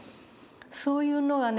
そういうのはね